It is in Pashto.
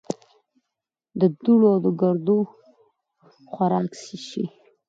د دوړو او ګردو خوراک شي .